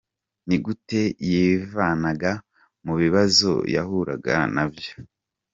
Ni gute yivanaga mu bibazo yahuraga nabyo.